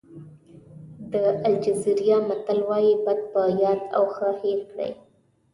د الجېریا متل وایي بد په یاد او ښه هېر کړئ.